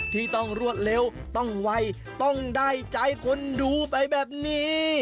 ที่ต้องรวดเร็วต้องไวต้องได้ใจคนดูไปแบบนี้